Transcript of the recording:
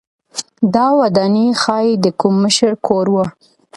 دا ودانۍ ښايي د کوم مشر کور و.